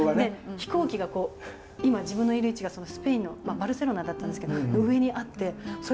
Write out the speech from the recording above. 飛行機がこう今自分のいる位置がスペインのバルセロナだったんですけど上にあってそれ見て泣いちゃって。